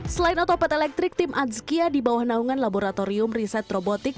selain otopet elektrik tim adzkia di bawah naungan laboratorium riset robotik